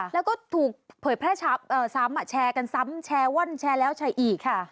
แล้วก็ถูกเผยแพร่แชร์กันซ้ำแชร์ว่นแชร์แล้วใช้อีก